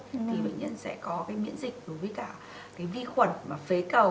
thì bệnh nhân sẽ có miễn dịch đối với cả vi khuẩn phế cầu